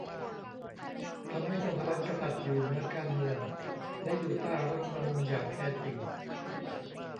ทำให้สถาบันกษัตริย์อยู่เหนือการเมืองและอยู่ใต้รัฐธรรมนูญอย่างแท้จริง